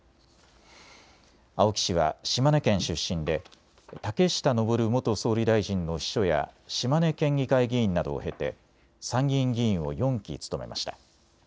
青木氏は島根県出身で竹下登元総理大臣の秘書や島根県議会議員などを経て参議院議員を４期務めました。